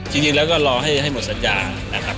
จริงแล้วก็รอให้หมดสัญญานะครับ